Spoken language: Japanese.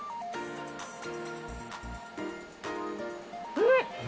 うん！